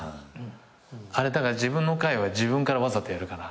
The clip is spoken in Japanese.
だから自分の回は自分からわざとやるかな。